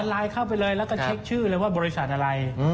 ไลน์เข้าไปเลยแล้วก็เช็คชื่อเลยว่าบริษัทอะไร